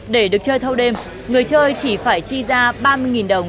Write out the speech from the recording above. để được chơi thâu đêm người chơi chỉ phải chi ra ba mươi đồng